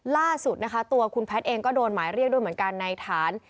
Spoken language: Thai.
ล่าสุดนะคะตัวคุณแพทย์เองก็โดนหมายเรียกด้วยเหมือนกันในฐาน